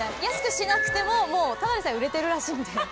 安くしなくてももうただでさえ売れてるらしいので。